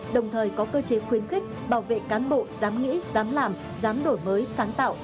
đồng thời có cơ chế khuyến khích bảo vệ cán bộ dám nghĩ dám làm dám đổi mới sáng tạo